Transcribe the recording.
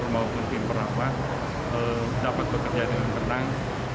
maupun tim perawat dapat bekerja dengan tenang